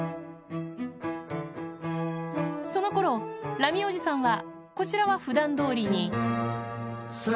そのころ、ラミおじさんは、こちらはふだんどおりに。